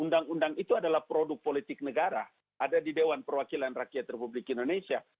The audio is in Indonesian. undang undang itu adalah produk politik negara ada di dewan perwakilan rakyat republik indonesia